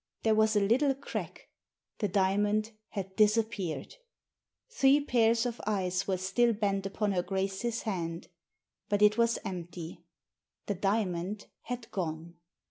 There was a little crack. The diamond had disappeared. Three pairs of eyes were still bent upon her Grace's hand. But it was empty — the diamond had gone.